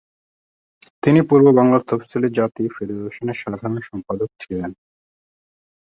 তিনি পূর্ব বাংলা তফসিলি জাতি ফেডারেশনের সাধারণ সম্পাদক ছিলেন।